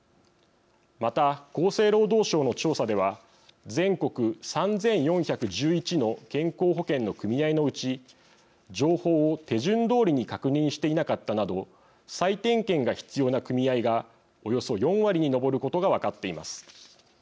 また、厚生労働省の調査では全国３４１１の健康保険の組合のうち情報を手順どおりに確認していなかったなど再点検が必要な組合がおよそ４割に上ることが分かっています。